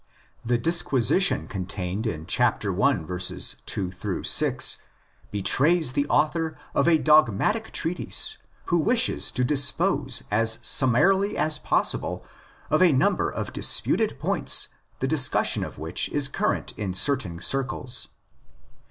The disquisition contained in i. 2 6 betrays the author of a dogmatic treatise who wishes to dispose as summarily as possible of a number of disputed points the discussion of which is current in certain circles.